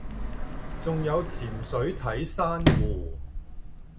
仲有潛水睇珊瑚